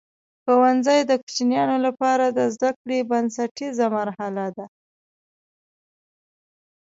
ښوونځی د کوچنیانو لپاره د زده کړې بنسټیزه مرحله ده.